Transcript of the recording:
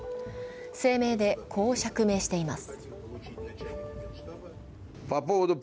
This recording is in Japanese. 声明でこの釈明しています。